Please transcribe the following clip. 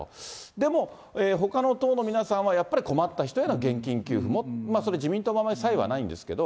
でも、ほかの党の皆さんはやっぱり、困った人への現金給付もって、それ自民党もあまり差異はないんですけれども。